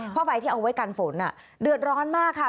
ผ้าใบที่เอาไว้กันฝนเดือดร้อนมากค่ะ